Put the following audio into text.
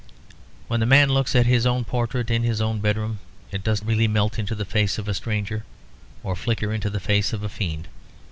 When the man looks at his own portrait in his own bedroom, it does really melt into the face of a stranger or flicker into the face of a fiend.